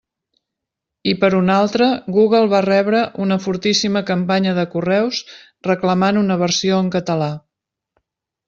I per una altra Google va rebre una fortíssima campanya de correus reclamant una versió en català.